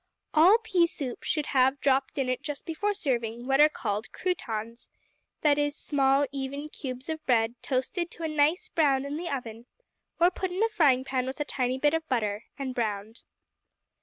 All pea soup should have dropped in it just before serving what are called croutons; that is, small, even cubes of bread toasted to a nice brown in the oven, or put in a frying pan with a tiny bit of butter, and browned.